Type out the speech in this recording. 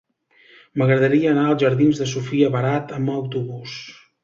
M'agradaria anar als jardins de Sofia Barat amb autobús.